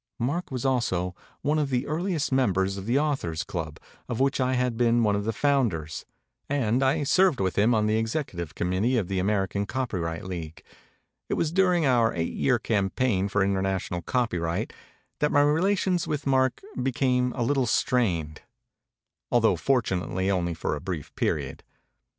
Mark was also one of the earliest members of the Authors Club, of which I had been one of unders; and I served with him on the ex ecutive committee of the American Copyright League. It was during our eight }' paign for international copyright that my rdu 255 MEMORIES OF MARK TWAIN tions with Mark became a little strained, altho fortunately only for a brief period.